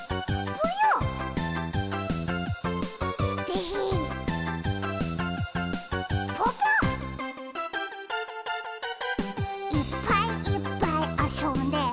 ぽぽ「いっぱいいっぱいあそんで」